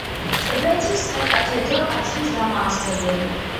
ტბეთის საკათედრო ტაძრის დამაარსებელი.